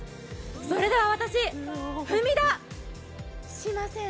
それでは私、踏み出せません。